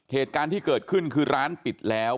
เหตุการณ์ที่เกิดขึ้นคือร้านปิดแล้ว